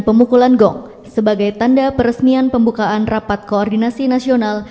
pemukulan gong sebagai tanda peresmian pembukaan rapat koordinasi nasional